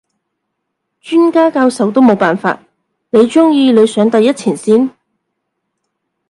專家教授都冇辦法，你中意你上第一前線？